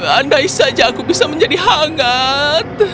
andai saja aku bisa menjadi hangat